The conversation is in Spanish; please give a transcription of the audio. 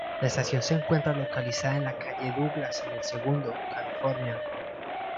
La estación se encuentra localizada en la Calle Douglas en El Segundo, California.